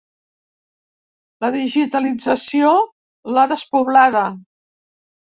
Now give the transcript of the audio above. La digitalització l'ha despoblada.